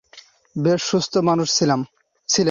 বেশ সুস্থ মানুষ ছিলেন।